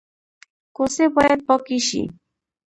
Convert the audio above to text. کوڅې باید پاکې شي